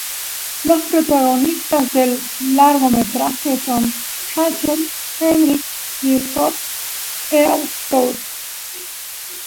Los protagonistas del largometraje son Rachel Hendrix y Scott Eastwood.